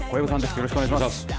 よろしくお願いします。